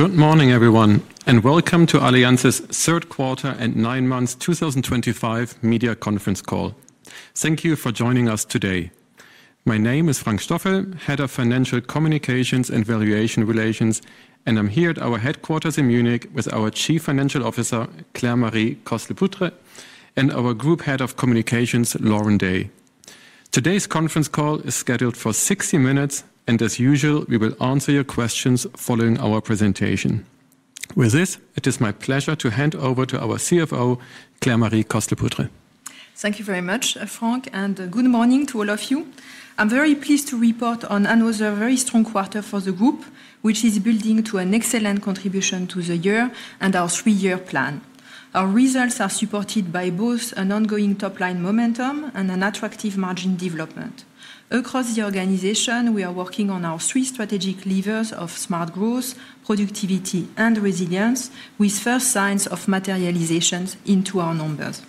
Good morning, everyone, and welcome to Allianz's third quarter and nine months 2025 media conference call. Thank you for joining us today. My name is Frank Stoffel, Head of Financial Communications and Investor Relations, and I'm here at our headquarters in Munich with our Chief Financial Officer, Claire-Marie Coste-Lepoutre, and our Group Head of Communications, Lauren Day. Today's conference call is scheduled for 60 minutes, and as usual, we will answer your questions following our presentation. With this, it is my pleasure to hand over to our CFO, Claire-Marie Coste-Lepoutre. Thank you very much, Frank, and good morning to all of you. I'm very pleased to report on another very strong quarter for the group, which is building to an excellent contribution to the year and our 3-year plan. Our results are supported by both an ongoing top-line momentum and an attractive margin development. Across the organization, we are working on our three strategic levers of smart growth, productivity, and resilience, with first signs of materialization into our numbers.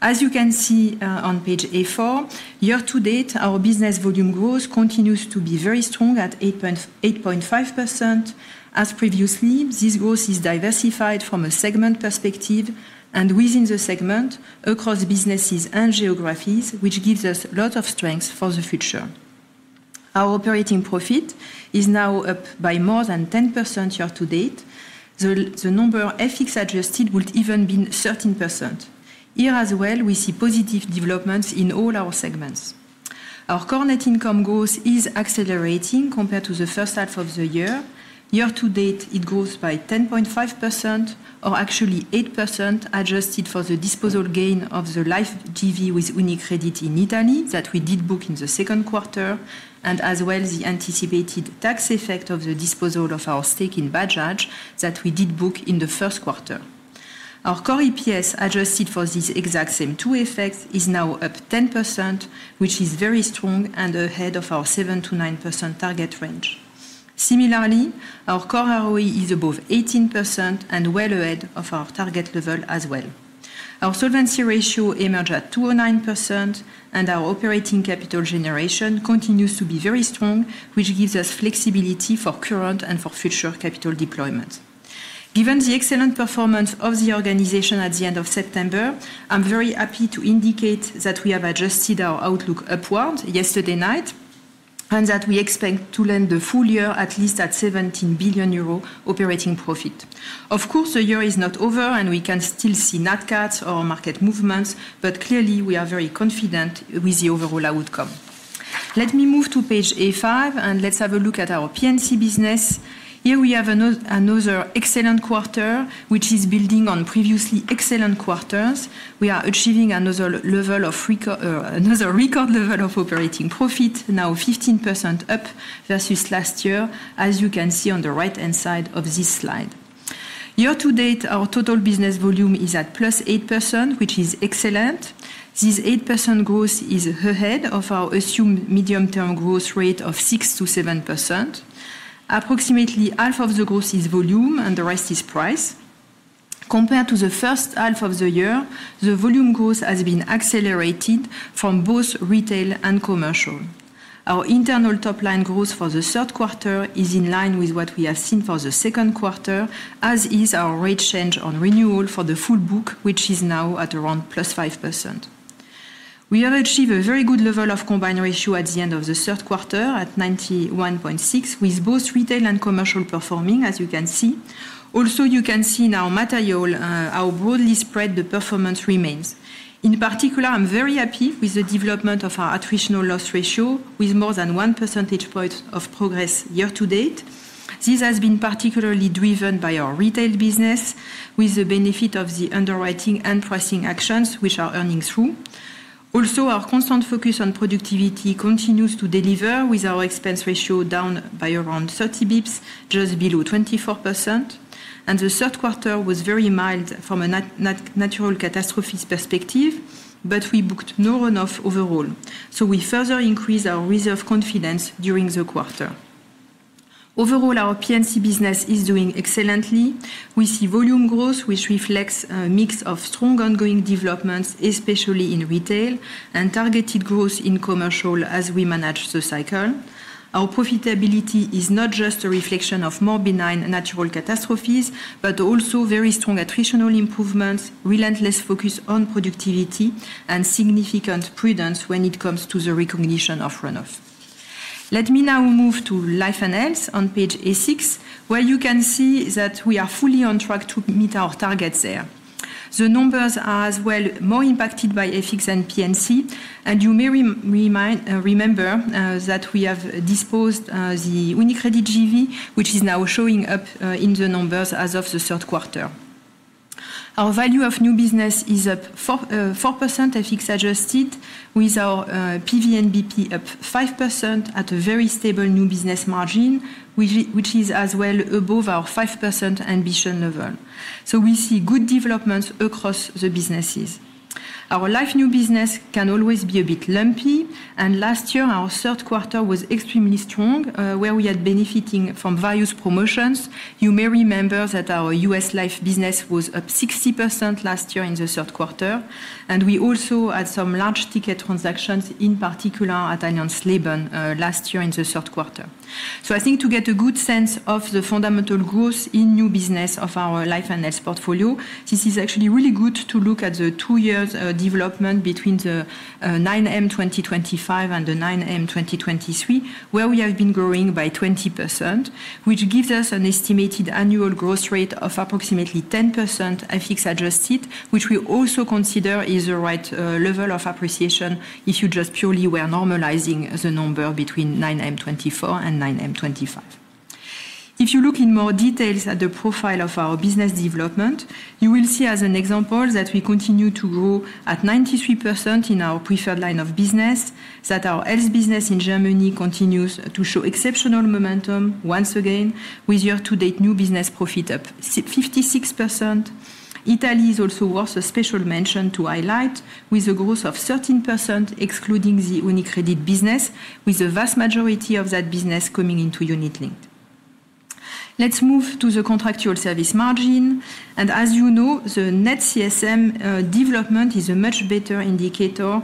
As you can see on page A4, year-to-date, our business volume growth continues to be very strong at 8.5%. As previously, this growth is diversified from a segment perspective and within the segment across businesses and geographies, which gives us a lot of strength for the future. Our operating profit is now up by more than 10% year-to-date. The number FX adjusted would even be 13%. Here as well, we see positive developments in all our segments. Our current income growth is accelerating compared to the first half of the year. Year-to-date, it grows by 10.5%, or actually 8% adjusted for the disposal gain of the life JV with UniCredit in Italy that we did book in the second quarter, and as well the anticipated tax effect of the disposal of our stake in Badge Age that we did book in the first quarter. Our core EPS adjusted for these exact same two effects is now up 10%, which is very strong and ahead of our 7%-9% target range. Similarly, our core ROE is above 18% and well ahead of our target level as well. Our solvency ratio emerged at 209%, and our operating capital generation continues to be very strong, which gives us flexibility for current and for future capital deployments. Given the excellent performance of the organization at the end of September, I'm very happy to indicate that we have adjusted our outlook upward yesterday night and that we expect to land the full year at least at 17 billion euro operating profit. Of course, the year is not over, and we can still see NatCats or market movements, but clearly, we are very confident with the overall outcome. Let me move to page A5, and let's have a look at our P&C business. Here we have another excellent quarter, which is building on previously excellent quarters. We are achieving another record level of operating profit, now 15% up versus last year, as you can see on the right-hand side of this slide. year-to-date, our total business volume is at plus 8%, which is excellent. This 8% growth is ahead of our assumed medium-term growth rate of 6%-7%. Approximately half of the growth is volume, and the rest is price. Compared to the first half of the year, the volume growth has been accelerated from both retail and commercial. Our internal top-line growth for the third quarter is in line with what we have seen for the second quarter, as is our rate change on renewal for the full book, which is now at around plus 5%. We have achieved a very good level of combined ratio at the end of the third quarter at 91.6%, with both retail and commercial performing, as you can see. Also, you can see now material, how broadly spread the performance remains. In particular, I'm very happy with the development of our attritional loss ratio, with more than one percentage point of progress year-to-date. This has been particularly driven by our retail business, with the benefit of the underwriting and pricing actions, which are earning through. Also, our constant focus on productivity continues to deliver, with our expense ratio down by around 30 basis points, just below 24%. The third quarter was very mild from a natural catastrophe perspective, but we booked no runoff overall. We further increased our reserve confidence during the quarter. Overall, our P&C business is doing excellently. We see volume growth, which reflects a mix of strong ongoing developments, especially in retail, and targeted growth in commercial as we manage the cycle. Our profitability is not just a reflection of more benign natural catastrophes, but also very strong attritional improvements, relentless focus on productivity, and significant prudence when it comes to the recognition of runoff. Let me now move to Life and Health on page A6, where you can see that we are fully on track to meet our targets there. The numbers are as well more impacted by FX and P&C, and you may remember that we have disposed the UniCredit JV, which is now showing up in the numbers as of the third quarter. Our value of new business is up 4% FX adjusted, with our PVNBP up 5% at a very stable new business margin, which is as well above our 5% ambition level. We see good developments across the businesses. Our life new business can always be a bit lumpy, and last year, our third quarter was extremely strong, where we had benefiting from various promotions. You may remember that our U.S. Life business was up 60% last year in the third quarter, and we also had some large ticket transactions, in particular at Allianz Leben last year in the third quarter. I think to get a good sense of the fundamental growth in new business of our life and health portfolio, this is actually really good to look at the 2-year development between the 9M 2025 and the 9M 2023, where we have been growing by 20%, which gives us an estimated annual growth rate of approximately 10% FX adjusted, which we also consider is the right level of appreciation if you just purely were normalizing the number between 9M 2024 and 9M 2025. If you look in more details at the profile of our business development, you will see as an example that we continue to grow at 93% in our preferred line of business, that our health business in Germany continues to show exceptional momentum once again, with year-to-date new business profit up 56%. Italy is also worth a special mention to highlight, with a growth of 13% excluding the UniCredit business, with the vast majority of that business coming into unit linked. Let's move to the contractual service margin, and as you know, the net CSM development is a much better indicator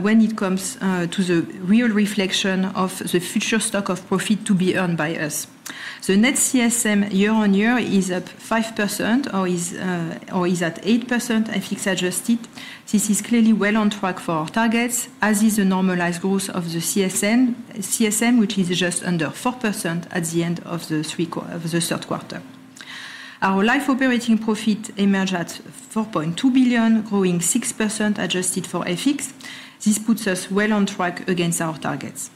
when it comes to the real reflection of the future stock of profit to be earned by us. The net CSM year on year is up 5% or is at 8% FX-adjusted. This is clearly well on track for our targets, as is the normalized growth of the CSM, which is just under 4% at the end of the third quarter. Our life operating profit emerged at 4.2 billion, growing 6% adjusted for FX. This puts us well on track against our targets.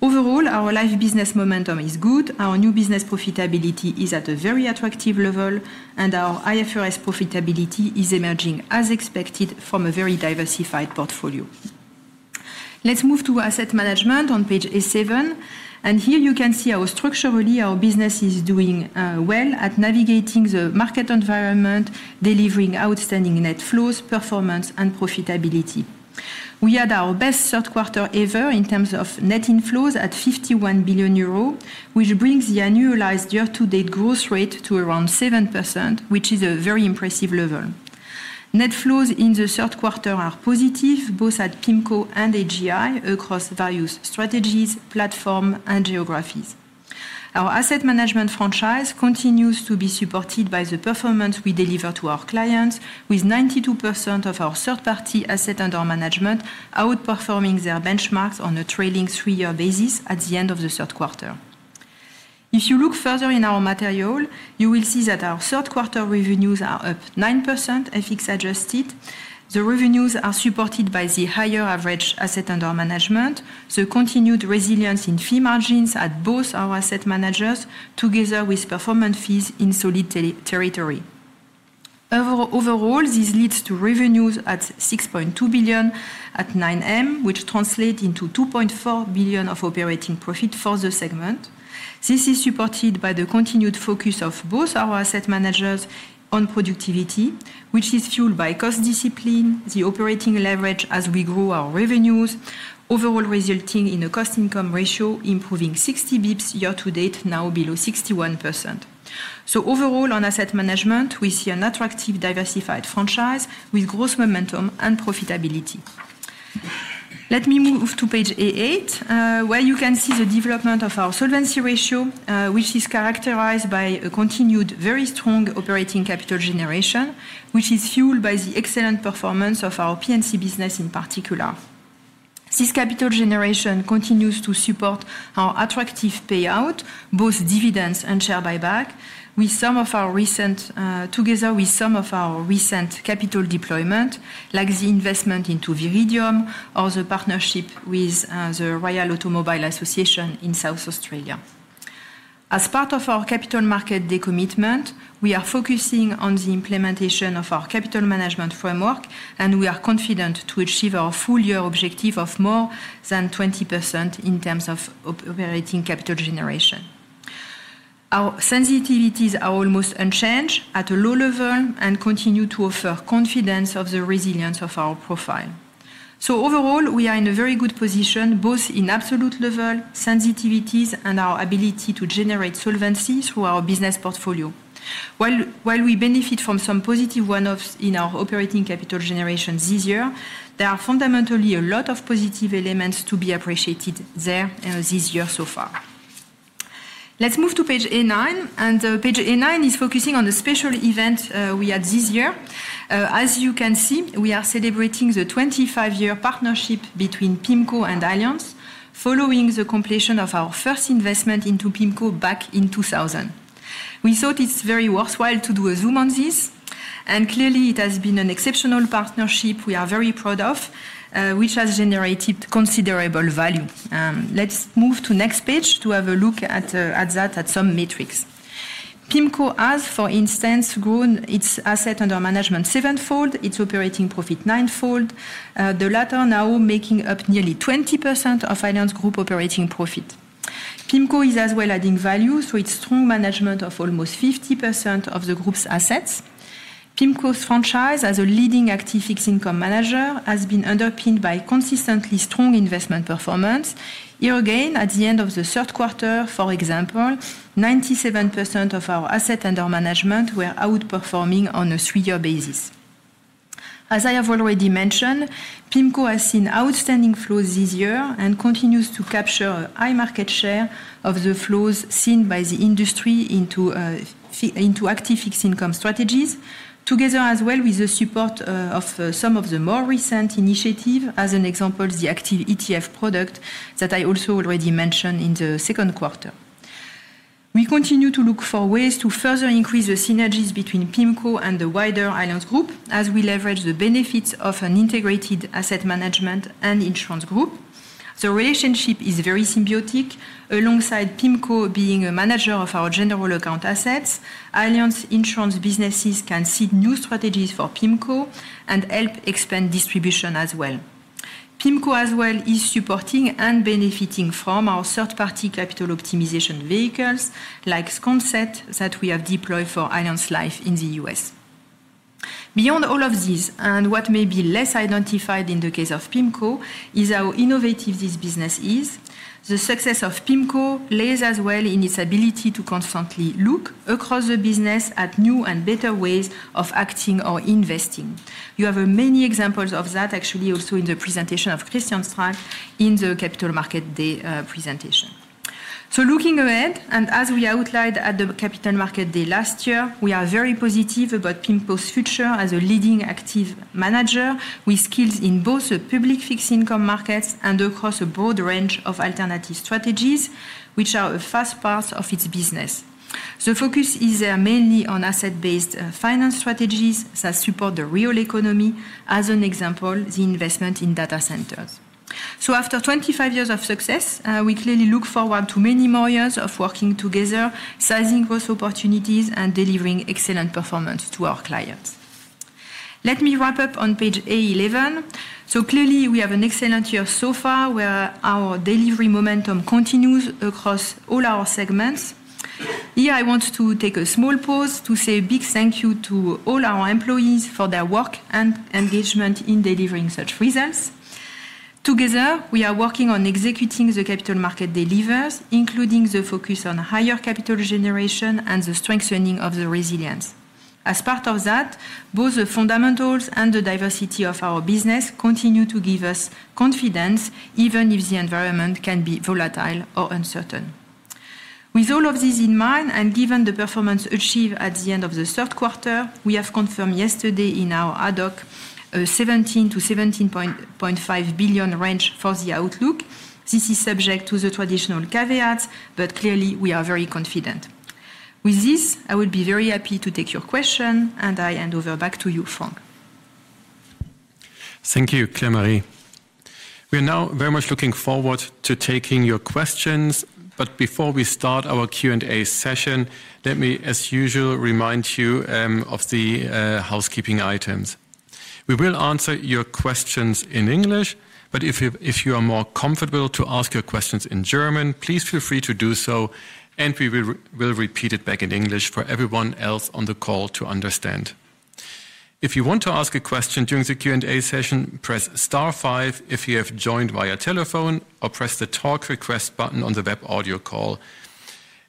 Overall, our life business momentum is good. Our new business profitability is at a very attractive level, and our IFRS profitability is emerging as expected from a very diversified portfolio. Let's move to asset management on page A7, and here you can see how structurally our business is doing well at navigating the market environment, delivering outstanding net flows, performance, and profitability. We had our best third quarter ever in terms of net inflows at 51 billion euro, which brings the annualized year-to-date growth rate to around 7%, which is a very impressive level. Net flows in the third quarter are positive, both at PIMCO and AGI, across various strategies, platform, and geographies. Our asset management franchise continues to be supported by the performance we deliver to our clients, with 92% of our third-party asset under management outperforming their benchmarks on a trailing three-year basis at the end of the third quarter. If you look further in our material, you will see that our third quarter revenues are up 9% FX-adjusted. The revenues are supported by the higher average asset under management, the continued resilience in fee margins at both our asset managers, together with performance fees in solid territory. Overall, this leads to revenues at 6.2 billion at 9M, which translates into 2.4 billion of operating profit for the segment. This is supported by the continued focus of both our asset managers on productivity, which is fueled by cost discipline, the operating leverage as we grow our revenues, overall resulting in a cost-income ratio improving 60 basis points year-to-date, now below 61%. Overall, on asset management, we see an attractive diversified franchise with growth momentum and profitability. Let me move to page A8, where you can see the development of our solvency ratio, which is characterized by a continued very strong operating capital generation, which is fueled by the excellent performance of our P&C business in particular. This capital generation continues to support our attractive payout, both dividends and share buyback, together with some of our recent capital deployment, like the investment into Viridium or the partnership with the Royal Automobile Association in South Australia. As part of our capital market decommitment, we are focusing on the implementation of our capital management framework, and we are confident to achieve our full-year objective of more than 20% in terms of operating capital generation. Our sensitivities are almost unchanged at a low level and continue to offer confidence of the resilience of our profile. Overall, we are in a very good position, both in absolute level, sensitivities, and our ability to generate solvency through our business portfolio. While we benefit from some positive runoffs in our operating capital generation this year, there are fundamentally a lot of positive elements to be appreciated there this year so far. Let's move to page A9, and page A9 is focusing on the special event we had this year. As you can see, we are celebrating the 25-year partnership between PIMCO and Allianz, following the completion of our first investment into PIMCO back in 2000. We thought it's very worthwhile to do a zoom on this, and clearly, it has been an exceptional partnership we are very proud of, which has generated considerable value. Let's move to the next page to have a look at that at some metrics. PIMCO has, for instance, grown its assets under management seven-fold, its operating profit nine-fold, the latter now making up nearly 20% of Allianz Group operating profit. PIMCO is as well adding value through its strong management of almost 50% of the group's assets. PIMCO's franchise as a leading active fixed income manager has been underpinned by consistently strong investment performance. Here again, at the end of the third quarter, for example, 97% of our assets under management were outperforming on a three-year basis. As I have already mentioned, PIMCO has seen outstanding flows this year and continues to capture a high market share of the flows seen by the industry into active fixed income strategies, together as well with the support of some of the more recent initiatives, as an example, the active ETF product that I also already mentioned in the second quarter. We continue to look for ways to further increase the synergies between PIMCO and the wider Allianz Group, as we leverage the benefits of an integrated asset management and insurance group. The relationship is very symbiotic. Alongside PIMCO being a manager of our general account assets, Allianz insurance businesses can see new strategies for PIMCO and help expand distribution as well. PIMCO as well is supporting and benefiting from our third-party capital optimization vehicles like Sconcet that we have deployed for Allianz Life in the U.S.. Beyond all of these, and what may be less identified in the case of PIMCO, is how innovative this business is. The success of PIMCO lies as well in its ability to constantly look across the business at new and better ways of acting or investing. You have many examples of that, actually, also in the presentation of Christian Stark in the Capital Market Day presentation. Looking ahead, and as we outlined at the Capital Market Day last year, we are very positive about PIMCO's future as a leading active manager with skills in both the public fixed income markets and across a broad range of alternative strategies, which are a fast part of its business. The focus is mainly on asset-based finance strategies that support the real economy, as an example, the investment in data centers. After 25 years of success, we clearly look forward to many more years of working together, sizing growth opportunities, and delivering excellent performance to our clients. Let me wrap up on page A11. Clearly, we have an excellent year so far where our delivery momentum continues across all our segments. Here, I want to take a small pause to say a big thank you to all our employees for their work and engagement in delivering such results. Together, we are working on executing the capital market deliveries, including the focus on higher capital generation and the strengthening of the resilience. As part of that, both the fundamentals and the diversity of our business continue to give us confidence, even if the environment can be volatile or uncertain. With all of this in mind, and given the performance achieved at the end of the third quarter, we have confirmed yesterday in our Ad Hoc a 17 billion-17.5 billion range for the outlook. This is subject to the traditional caveats, but clearly, we are very confident. With this, I would be very happy to take your question, and I hand over back to you, Frank. Thank you, Claire-Marie. We are now very much looking forward to taking your questions, but before we start our Q&A session, let me, as usual, remind you of the housekeeping items. We will answer your questions in English, but if you are more comfortable to ask your questions in German, please feel free to do so, and we will repeat it back in English for everyone else on the call to understand. If you want to ask a question during the Q&A session, press star five if you have joined via telephone, or press the talk request button on the web audio call.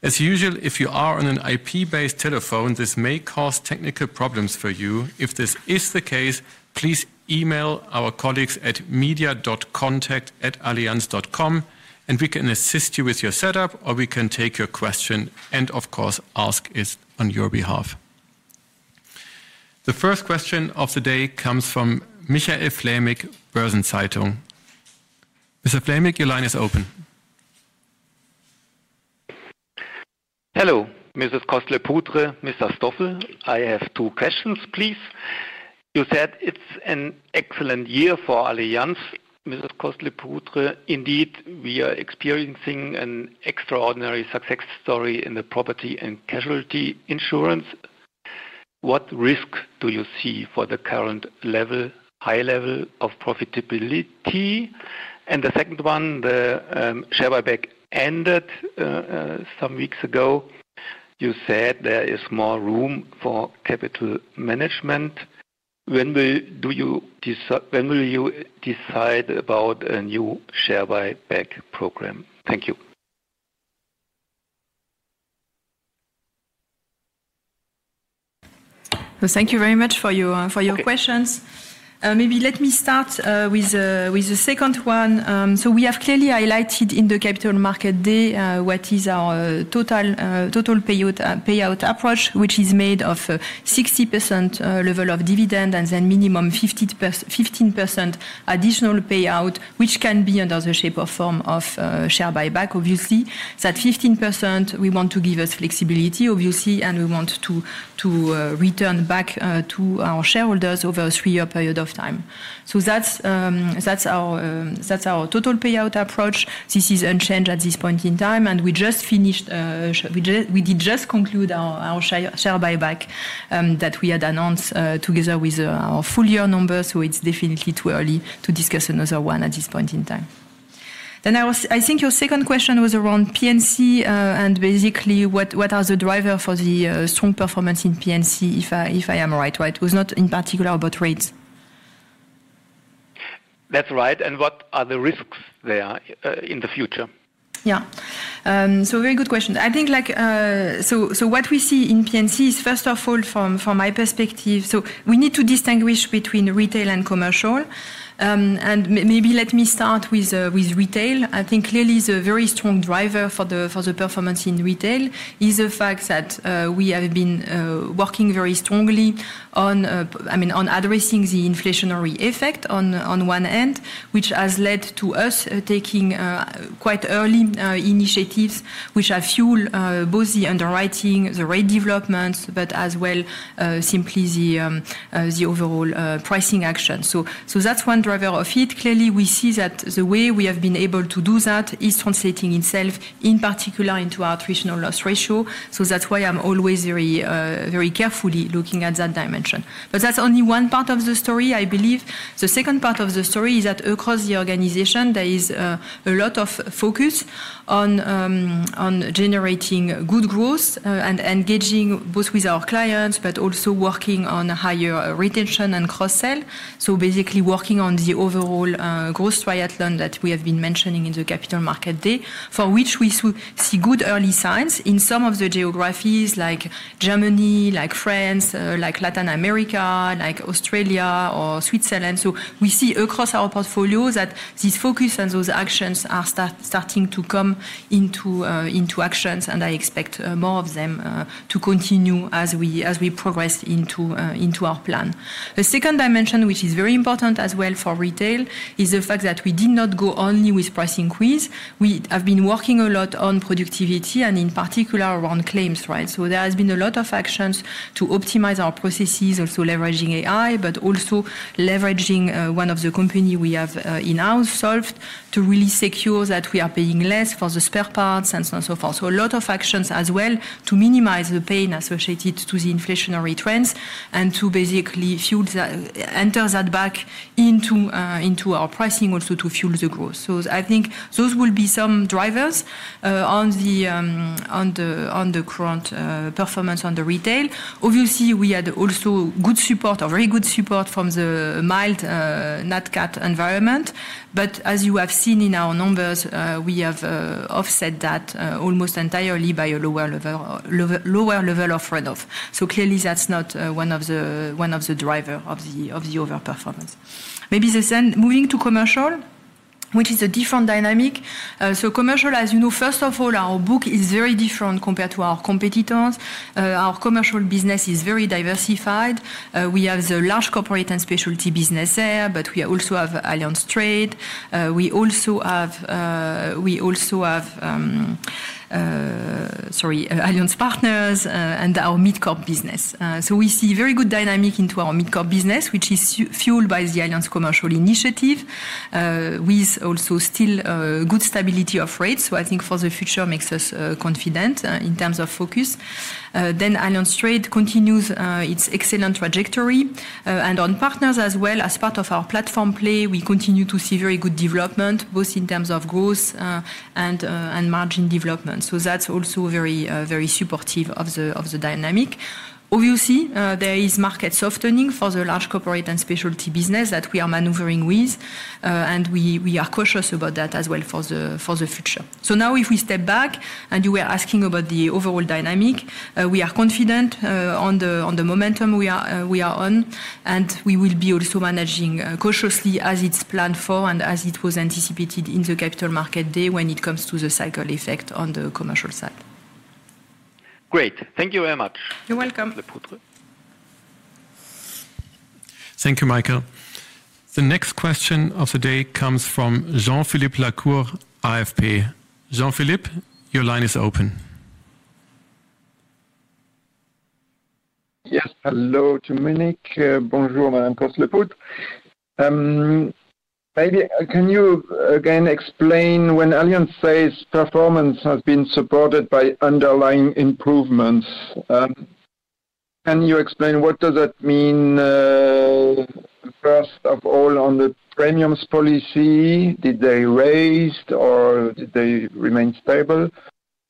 As usual, if you are on an IP-based telephone, this may cause technical problems for you. If this is the case, please email our colleagues at media.contact@allianz.com, and we can assist you with your setup, or we can take your question, and of course, ask it on your behalf. The first question of the day comes from Michael Flämig, Börsen-Zeitung. Mr. Flämig, your line is open. Hello, Mrs. Coste-Lepoutre, Mr. Stoffel, I have two questions, please. You said it is an excellent year for Allianz. Mrs. Coste-Lepoutre, indeed, we are experiencing an extraordinary success story in the property-casualty insurance. What risk do you see for the current level, high level of profitability? The second one, the share buyback ended some weeks ago. You said there is more room for capital management. When will you decide about a new share buyback program? Thank you. Thank you very much for your questions. Maybe let me start with the second one. We have clearly highlighted in the Capital Market Day what is our total payout approach, which is made of a 60% level of dividend and then minimum 15% additional payout, which can be under the shape or form of share buyback, obviously. That 15%, we want to give us flexibility, obviously, and we want to return back to our shareholders over a 3-year period of time. That is our total payout approach. This is unchanged at this point in time, and we just finished, we did just conclude our share buyback that we had announced together with our full-year numbers, so it's definitely too early to discuss another one at this point in time. I think your second question was around P&C and basically what are the drivers for the strong performance in P&C, if I am right, right? It was not in particular about rates. That's right, and what are the risks there in the future? Yeah, very good question. I think what we see in P&C is, first of all, from my perspective, we need to distinguish between retail and commercial. Maybe let me start with retail. I think clearly the very strong driver for the performance in retail is the fact that we have been working very strongly on addressing the inflationary effect on one end, which has led to us taking quite early initiatives, which have fueled both the underwriting, the rate developments, but as well simply the overall pricing action. That is one driver of it. Clearly, we see that the way we have been able to do that is translating itself, in particular, into our attritional loss ratio. That is why I am always very carefully looking at that dimension. That is only one part of the story, I believe. The second part of the story is that across the organization, there is a lot of focus on generating good growth and engaging both with our clients, but also working on higher retention and cross-sell. Basically working on the overall growth triathlon that we have been mentioning in the Capital Market Day, for which we see good early signs in some of the geographies like Germany, like France, like Latin America, like Australia, or Switzerland. We see across our portfolio that this focus and those actions are starting to come into actions, and I expect more of them to continue as we progress into our plan. The second dimension, which is very important as well for retail, is the fact that we did not go only with pricing quiz. We have been working a lot on productivity and in particular around claims, right? There has been a lot of actions to optimize our processes, also leveraging AI, but also leveraging one of the companies we have in-house, Solvd, to really secure that we are paying less for the spare parts and so on and so forth. A lot of actions as well to minimize the pain associated to the inflationary trends and to basically enter that back into our pricing also to fuel the growth. I think those will be some drivers on the current performance on the retail. Obviously, we had also good support or very good support from the mild NatCat environment, but as you have seen in our numbers, we have offset that almost entirely by a lower level of trade-off. Clearly, that is not one of the drivers of the overperformance. Maybe moving to commercial, which is a different dynamic. Commercial, as you know, first of all, our book is very different compared to our competitors. Our commercial business is very diversified. We have the large corporate and specialty business there, but we also have Allianz Trade. We also have, sorry, Allianz Partners and our mid-corp business. We see very good dynamic into our mid-corp business, which is fueled by the Allianz Commercial Initiative, with also still good stability of rates. I think for the future makes us confident in terms of focus. Allianz Trade continues its excellent trajectory. On partners as well, as part of our platform play, we continue to see very good development, both in terms of growth and margin development. That is also very supportive of the dynamic. Obviously, there is market softening for the large corporate and specialty business that we are maneuvering with, and we are cautious about that as well for the future. Now, if we step back and you were asking about the overall dynamic, we are confident on the momentum we are on, and we will be also managing cautiously as it is planned for and as it was anticipated in the Capital Market Day when it comes to the cycle effect on the commercial side. Great. Thank you very much. You're welcome. Thank you, Michael. The next question of the day comes from Jean-Philippe Lacour, AFP. Jean-Philippe, your line is open. Yes, hello to Munich. Bonjour, Madame Coste-Lepoutre. Maybe can you again explain when Allianz says performance has been supported by underlying improvements? Can you explain what does that mean? First of all, on the premiums policy, did they raise or did they remain stable?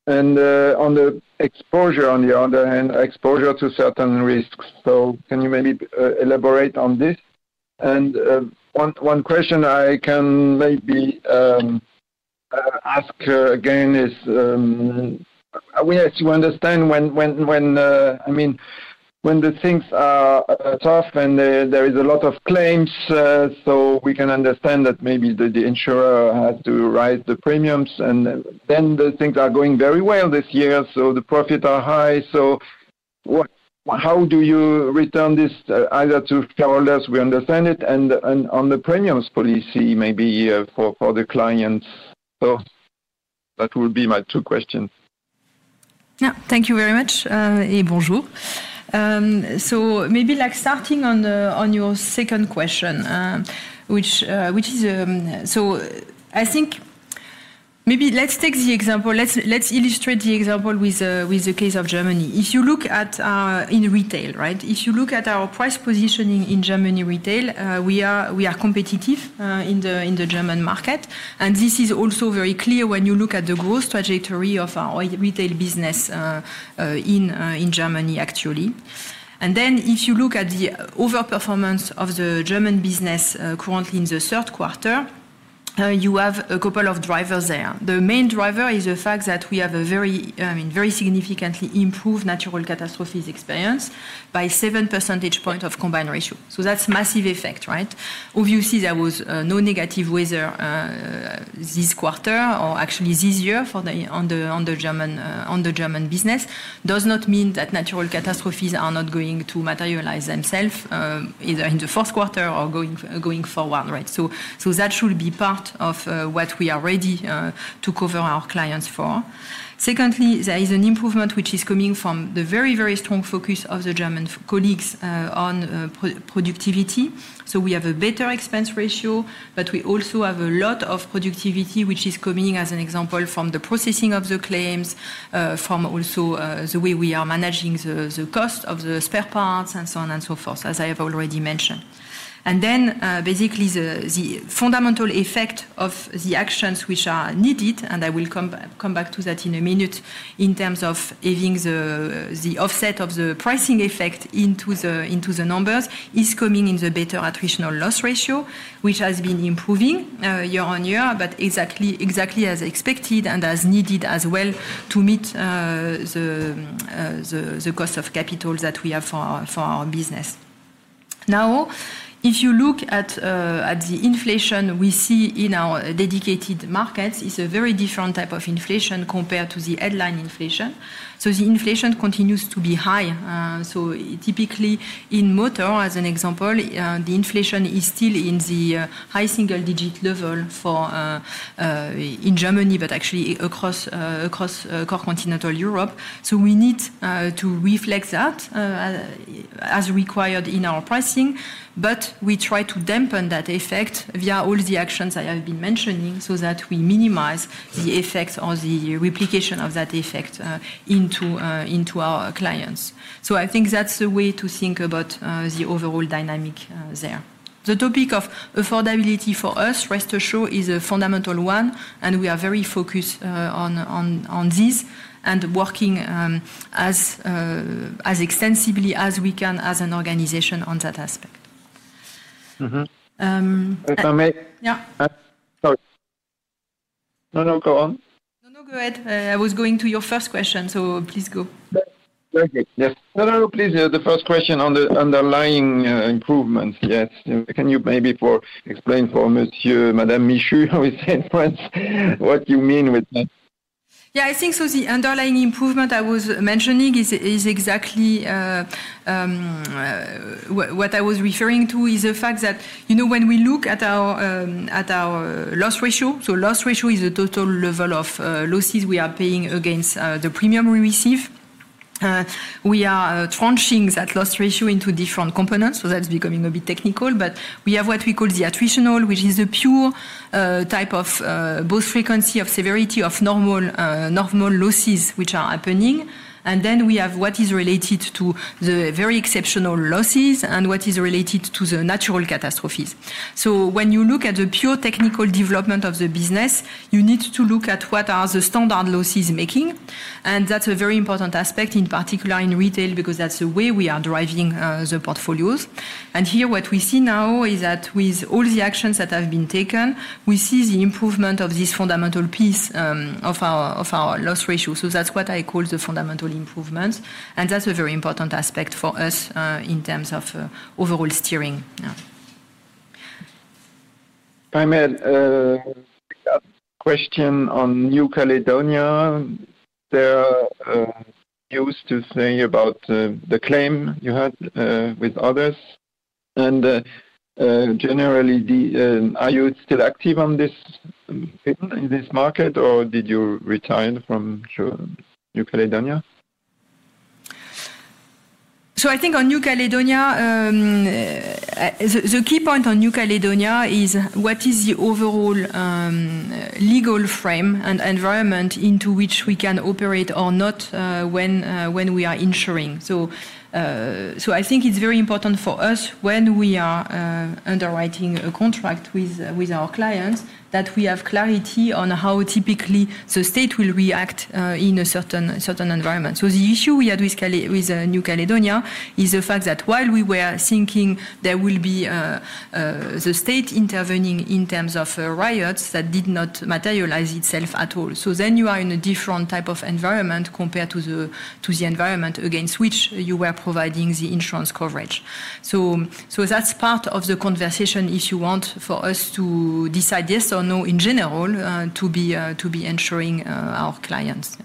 On the exposure, on the other hand, exposure to certain risks. Can you maybe elaborate on this? One question I can maybe ask again is, I mean, as you understand, I mean, when things are tough and there is a lot of claims, we can understand that maybe the insurer has to raise the premiums, and then things are going very well this year, so the profits are high. How do you return this either to shareholders? We understand it. On the premiums policy, maybe for the clients. That will be my two questions. Thank you very much. Bonjour. Maybe starting on your second question, which is, I think maybe let's take the example, let's illustrate the example with the case of Germany. If you look at in retail, right? If you look at our price positioning in Germany retail, we are competitive in the German market, and this is also very clear when you look at the growth trajectory of our retail business in Germany, actually. If you look at the overperformance of the German business currently in the third quarter, you have a couple of drivers there. The main driver is the fact that we have a very significantly improved natural catastrophes experience by 7 percentage points of combined ratio. That is a massive effect, right? Obviously, there was no negative weather this quarter or actually this year on the German business. It does not mean that natural catastrophes are not going to materialize themselves either in the fourth quarter or going forward, right? That should be part of what we are ready to cover our clients for. Secondly, there is an improvement which is coming from the very, very strong focus of the German colleagues on productivity. We have a better expense ratio, but we also have a lot of productivity, which is coming, as an example, from the processing of the claims, from also the way we are managing the cost of the spare parts and so on and so forth, as I have already mentioned. Basically, the fundamental effect of the actions which are needed, and I will come back to that in a minute in terms of having the offset of the pricing effect into the numbers, is coming in the better attritional loss ratio, which has been improving year on year, but exactly as expected and as needed as well to meet the cost of capital that we have for our business. Now, if you look at the inflation we see in our dedicated markets, it is a very different type of inflation compared to the headline inflation. The inflation continues to be high. Typically in motor, as an example, the inflation is still in the high single-digit level in Germany, but actually across continental Europe. We need to reflect that as required in our pricing, but we try to dampen that effect via all the actions I have been mentioning so that we minimize the effects or the replication of that effect into our clients. I think that is the way to think about the overall dynamic there. The topic of affordability for us, rest assured, is a fundamental one, and we are very focused on this and working as extensively as we can as an organization on that aspect. If I may. Yeah. Sorry. No, no, go on. No, no, go ahead. I was going to your first question, so please go. No, no, no, please, the first question on the underlying improvements, yes. Can you maybe explain for Monsieur Madame Michu, how we say in France, what you mean with that? Yeah, I think so the underlying improvement I was mentioning is exactly what I was referring to is the fact that when we look at our loss ratio, so loss ratio is the total level of losses we are paying against the premium we receive. We are tranching that loss ratio into different components, so that's becoming a bit technical, but we have what we call the attritional, which is the pure type of both frequency of severity of normal losses which are happening. Then we have what is related to the very exceptional losses and what is related to the natural catastrophes. When you look at the pure technical development of the business, you need to look at what are the standard losses making. That's a very important aspect, in particular in retail, because that's the way we are driving the portfolios. What we see now is that with all the actions that have been taken, we see the improvement of this fundamental piece of our loss ratio. That is what I call the fundamental improvements. That is a very important aspect for us in terms of overall steering. I have a question on New Caledonia. You were saying about the claim you had with others. Generally, are you still active in this market or did you retire from New Caledonia? I think on New Caledonia, the key point is what is the overall legal frame and environment into which we can operate or not when we are insuring. I think it is very important for us when we are underwriting a contract with our clients that we have clarity on how typically the state will react in a certain environment. The issue we had with New Caledonia is the fact that while we were thinking there will be the state intervening in terms of riots, that did not materialize itself at all. You are in a different type of environment compared to the environment against which you were providing the insurance coverage. That is part of the conversation, if you want, for us to decide yes or no in general to be insuring our clients.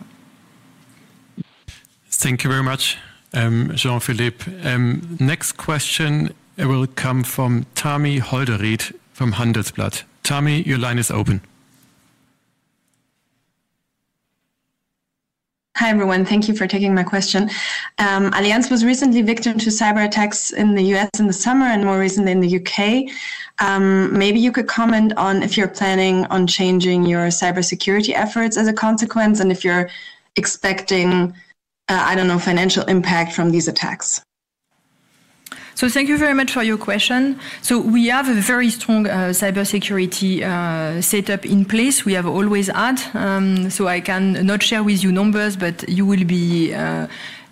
Thank you very much, Jean-Philippe. Next question will come from Tami Holderried from Handelsblatt. Tami, your line is open. Hi everyone. Thank you for taking my question. Allianz was recently victim to cyber attacks in the U.S. in the summer and more recently in the U.K. Maybe you could comment on if you're planning on changing your cybersecurity efforts as a consequence and if you're expecting, I don't know, financial impact from these attacks. Thank you very much for your question. We have a very strong cybersecurity setup in place. We always have. I cannot share with you numbers, but you would be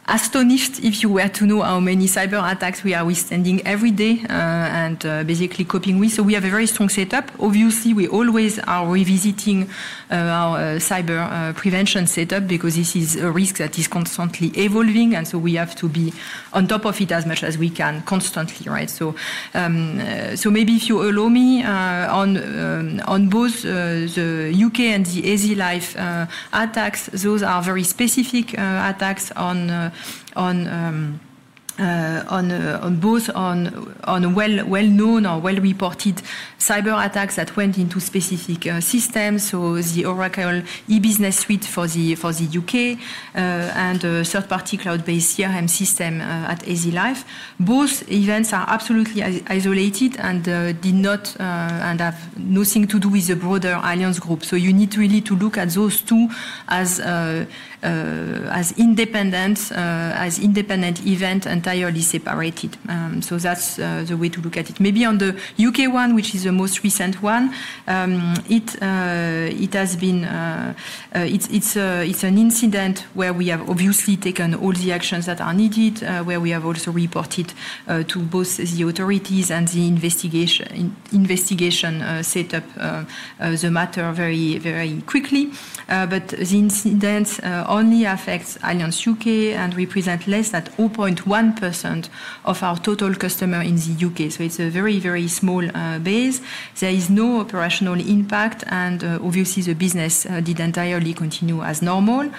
astonished if you were to know how many cyber attacks we are withstanding every day and basically coping with. We have a very strong setup. Obviously, we always are revisiting our cyber prevention setup because this is a risk that is constantly evolving, and we have to be on top of it as much as we can constantly, right? Maybe if you allow me, on both the U.K. and the AZ Life attacks, those are very specific attacks, both on well-known or well-reported cyber attacks that went into specific systems. The Oracle e-business suite for the U.K. and third-party cloud-based CRM system at AZ Life. Both events are absolutely isolated and did not have anything to do with the broader Allianz group. You need really to look at those two as independent events, entirely separated. That's the way to look at it. Maybe on the U.K. one, which is the most recent one, it has been an incident where we have obviously taken all the actions that are needed, where we have also reported to both the authorities and the investigation set up the matter very quickly. The incidents only affect Allianz U.K. and represent less than 0.1% of our total customers in the U.K. It is a very, very small base. There is no operational impact, and obviously, the business did entirely continue as normal.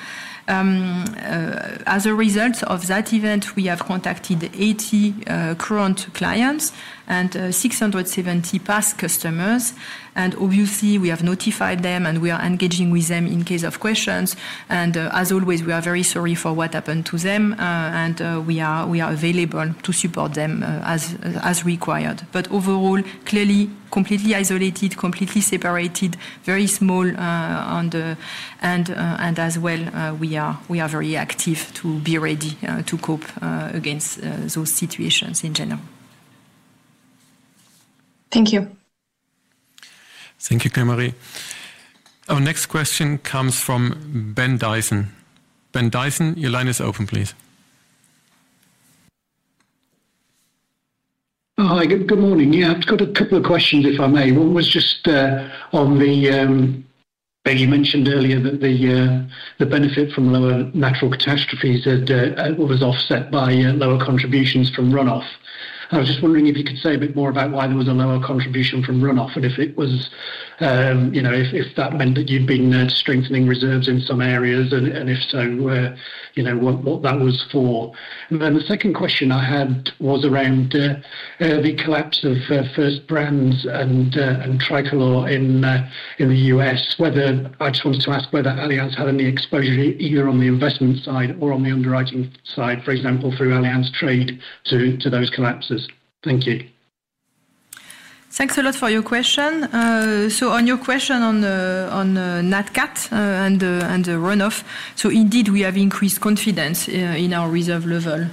As a result of that event, we have contacted 80 current clients and 670 past customers. Obviously, we have notified them and we are engaging with them in case of questions. As always, we are very sorry for what happened to them, and we are available to support them as required. Overall, clearly, completely isolated, completely separated, very small, and as well, we are very active to be ready to cope against those situations in general. Thank you. Thank you, Claire-Marie. Our next question comes from Ben Dyson. Ben Dyson, your line is open, please. Hi, good morning. Yeah, I've got a couple of questions, if I may. One was just on the, you mentioned earlier that the benefit from lower natural catastrophes was offset by lower contributions from runoff. I was just wondering if you could say a bit more about why there was a lower contribution from runoff and if it was, if that meant that you'd been strengthening reserves in some areas and if so, what that was for. The second question I had was around the collapse of First Brands and Tricolor in the US, whether I just wanted to ask whether Allianz had any exposure either on the investment side or on the underwriting side, for example, through Allianz Trade to those collapses. Thank you. Thanks a lot for your question. On your question on NatCat and the runoff, indeed, we have increased confidence in our reserve level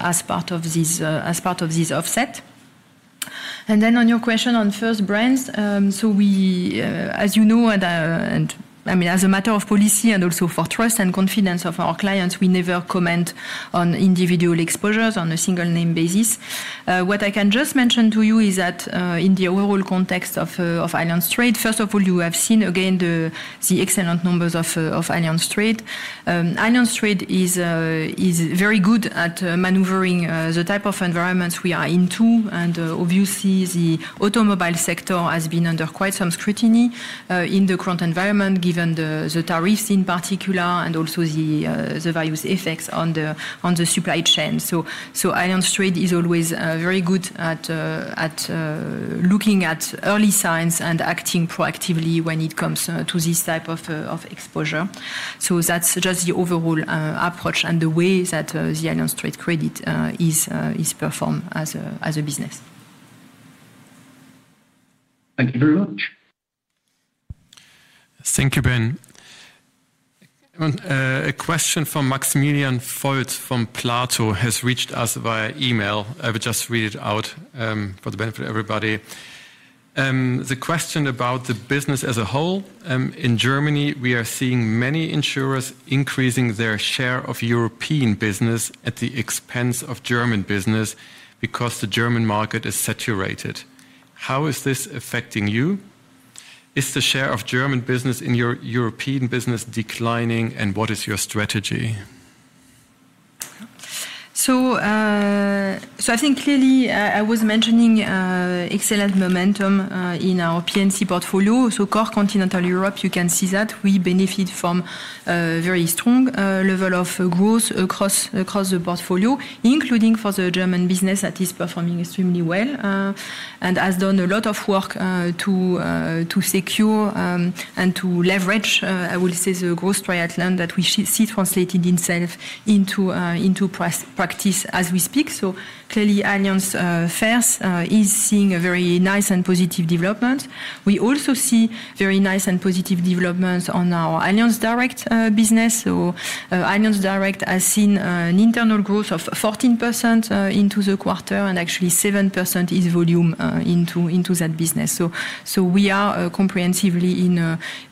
as part of this offset. On your question on First Brands, as you know, and I mean, as a matter of policy and also for trust and confidence of our clients, we never comment on individual exposures on a single-name basis. What I can just mention to you is that in the overall context of Allianz Trade, first of all, you have seen again the excellent numbers of Allianz Trade. Allianz Trade is very good at maneuvering the type of environments we are into. Obviously, the automobile sector has been under quite some scrutiny in the current environment, given the tariffs in particular and also the various effects on the supply chain. Allianz Trade is always very good at looking at early signs and acting proactively when it comes to this type of exposure. That is just the overall approach and the way that Allianz Trade Credit is performed as a business. Thank you very much. Thank you, Ben. A question from Maximilian Foltz from Plato has reached us via email. I will just read it out for the benefit of everybody. The question about the business as a whole. In Germany, we are seeing many insurers increasing their share of European business at the expense of German business because the German market is saturated. How is this affecting you? Is the share of German business in your European business declining, and what is your strategy? I think clearly I was mentioning excellent momentum in our P&C portfolio. Core continental Europe, you can see that we benefit from a very strong level of growth across the portfolio, including for the German business that is performing extremely well and has done a lot of work to secure and to leverage, I will say, the growth triathlon that we see translated itself into practice as we speak. Clearly, Allianz Fairs is seeing a very nice and positive development. We also see very nice and positive developments on our Allianz Direct business. Allianz Direct has seen an internal growth of 14% into the quarter and actually 7% is volume into that business. We are comprehensively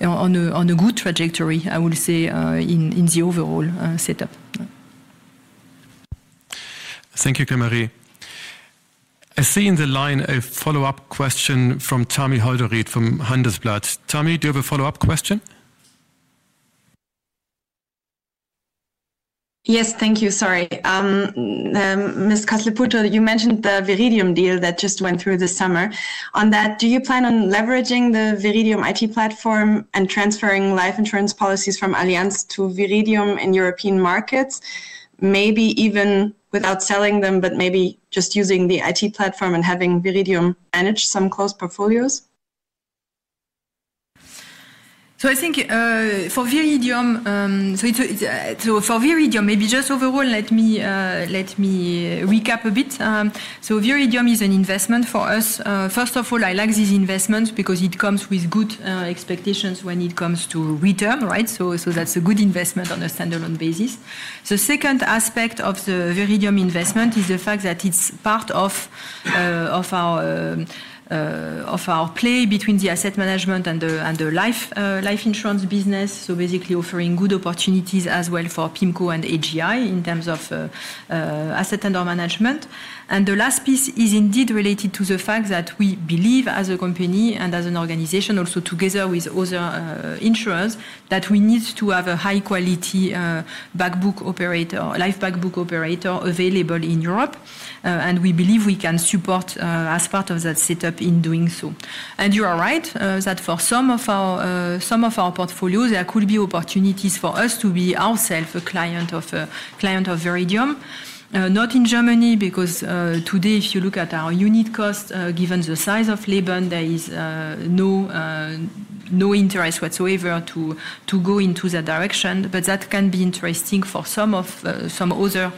on a good trajectory, I will say, in the overall setup. Thank you, Clémerie. I see in the line a follow-up question from Tami Holderried from Handelsblatt. Tami, do you have a follow-up question? Yes, thank you. Sorry. Ms. Coste-Lepoutre, you mentioned the Viridium deal that just went through this summer. On that, do you plan on leveraging the Viridium IT platform and transferring life insurance policies from Allianz to Viridium in European markets, maybe even without selling them, but maybe just using the IT platform and having Viridium manage some closed portfolios? I think for Viridium, maybe just overall, let me recap a bit. Viridium is an investment for us. First of all, I like this investment because it comes with good expectations when it comes to return, right? That is a good investment on a standalone basis. The second aspect of the Viridium investment is the fact that it is part of our play between the asset management and the life insurance business, basically offering good opportunities as well for PIMCO and AGI in terms of assets under management. The last piece is indeed related to the fact that we believe as a company and as an organization, also together with other insurers, that we need to have a high-quality life backbook operator available in Europe. We believe we can support as part of that setup in doing so. You are right that for some of our portfolios, there could be opportunities for us to be ourselves a client of Viridium. Not in Germany because today, if you look at our unit cost, given the size of Leben, there is no interest whatsoever to go into that direction. That can be interesting for some other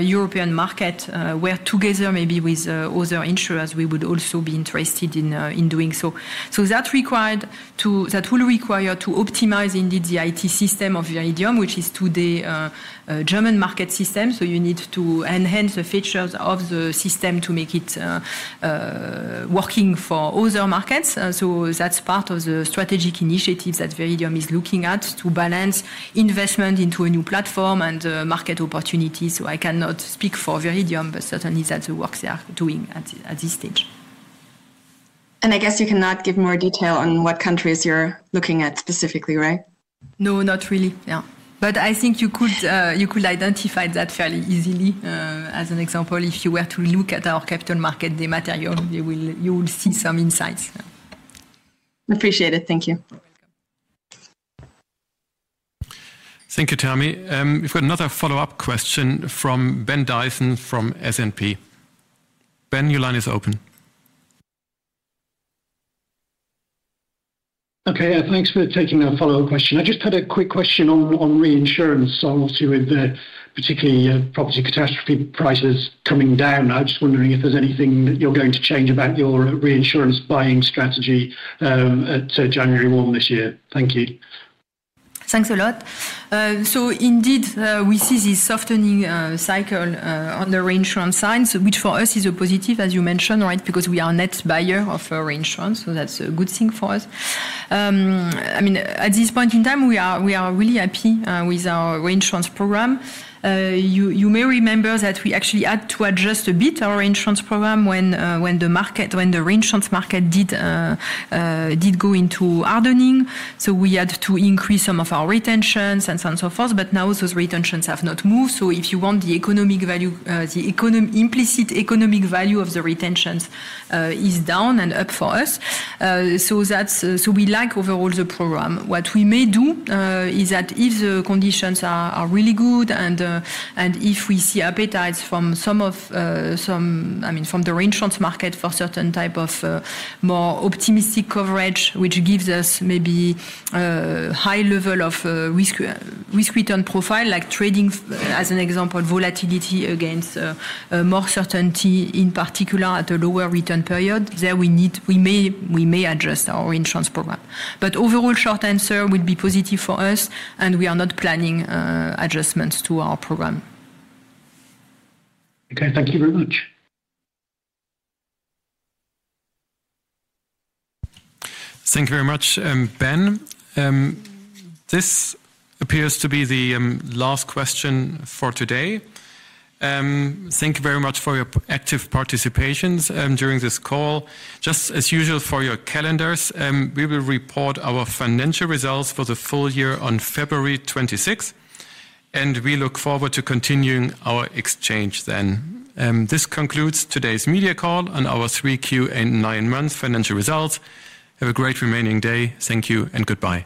European market where together, maybe with other insurers, we would also be interested in doing so. That will require to optimize indeed the IT system of Viridium, which is today a German market system. You need to enhance the features of the system to make it working for other markets. That is part of the strategic initiatives that Viridium is looking at to balance investment into a new platform and market opportunities. I cannot speak for Viridium, but certainly that is the work they are doing at this stage. I guess you cannot give more detail on what countries you are looking at specifically, right? No, not really. I think you could identify that fairly easily. As an example, if you were to look at our capital market material, you will see some insights. Appreciate it. Thank you. You are welcome. Thank you, Tami. We have got another follow-up question from Ben Dyson from S&P. Ben, your line is open. Okay, thanks for taking a follow-up question. I just had a quick question on reinsurance. Obviously, with particularly property catastrophe prices coming down, I was just wondering if there's anything that you're going to change about your reinsurance buying strategy to January 1 this year. Thank you. Thanks a lot. Indeed, we see this softening cycle on the reinsurance side, which for us is a positive, as you mentioned, right? Because we are a net buyer of reinsurance, so that's a good thing for us. I mean, at this point in time, we are really happy with our reinsurance program. You may remember that we actually had to adjust a bit our reinsurance program when the reinsurance market did go into hardening. We had to increase some of our retentions and so on and so forth. Now those retentions have not moved. If you want, the implicit economic value of the retentions is down and up for us. We like overall the program. What we may do is that if the conditions are really good and if we see appetites from some of, I mean, from the reinsurance market for certain type of more optimistic coverage, which gives us maybe high level of risk-return profile, like trading, as an example, volatility against more certainty, in particular at a lower return period, there we may adjust our reinsurance program. Overall, short answer would be positive for us, and we are not planning adjustments to our program. Okay, thank you very much. Thank you very much, Ben. This appears to be the last question for today. Thank you very much for your active participations during this call. Just as usual for your calendars, we will report our financial results for the full year on February 26th, and we look forward to continuing our exchange then. This concludes today's media call on our 3Q and 9-month financial results. Have a great remaining day. Thank you and goodbye.